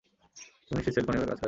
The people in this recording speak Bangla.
তুমি নিশ্চিত সেলফোন এভাবে কাজ করে?